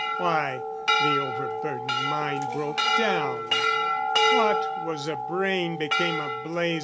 Why, the overburdened mind Broke down, what was a brain became a blaze.